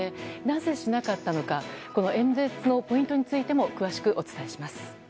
なぜしなかったのか演説のポイントについても詳しくお伝えします。